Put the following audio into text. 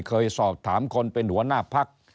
เคยสอบถามคนเป็นหัวหน้าพัก